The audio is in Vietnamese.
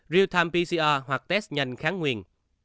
real time pcr hoặc test nhanh kháng nguyên